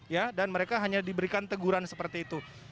ya dan mereka hanya diberikan teguran seperti itu